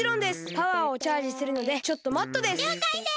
パワーをチャージするのでちょっと待っとです！